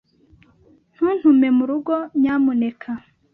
Ntuntume murugo, nyamuneka.